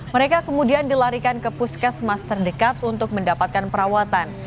mereka kemudian dilarikan ke puskesmas terdekat untuk mendapatkan perawatan